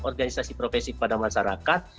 organisasi profesi kepada masyarakat